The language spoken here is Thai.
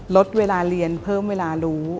ลดเวลาเรียนเพิ่มเวลารู้